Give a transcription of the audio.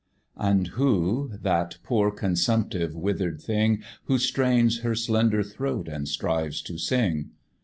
And who that poor, consumptive, wither'd thing, Who strains her slender throat and strives to sing?